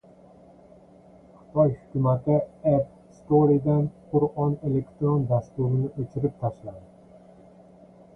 Xitoy hukumati App Store'dan Qur’on elektron dasturini o‘chirtirib tashladi